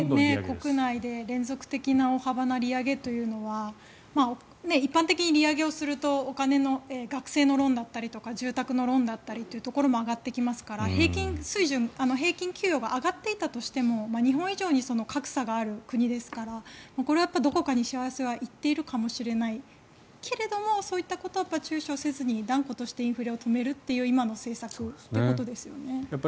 連続的な大幅な利上げというのは一般的に利上げをすると学生のローンだったり住宅のローンだったりというところも上がってきますから平均給与が上がっていたとしても日本以上に格差がある国ですからこれは、どこかに、しわ寄せは行っているかもしれないけれどもそういったことを躊躇せずに断固としてインフレを止めるという今の政策ということですよね。